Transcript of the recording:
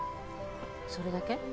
それだけ？